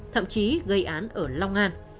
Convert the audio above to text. thậm chí gây án ở long an